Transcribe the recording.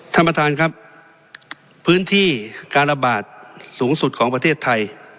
ท่านประธานครับพื้นที่การระบาดสูงสุดของประเทศไทย